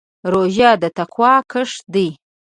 روژه د تقوا کښت دی.